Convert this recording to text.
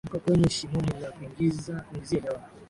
alikuwa kwenye shimoni la kuingizia hewa